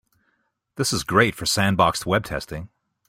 This is great for sandboxed web testing.